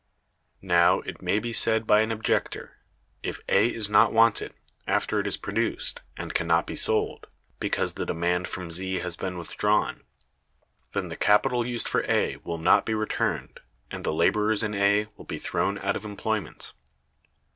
Now, it may be said by an objector, "If A is not wanted, after it is produced, and can not be sold, because the demand from Z has been withdrawn, then the capital used for A will not be returned, and the laborers in A will be thrown out of employment."